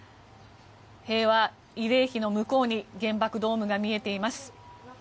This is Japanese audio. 平和慰霊碑の向こうに原爆ドームが見えています。